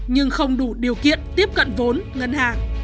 nhưng không đủ điều kiện tiếp cận vốn ngân hàng